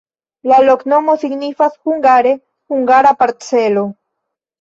La loknomo signifas hungare: hungara-parcelo.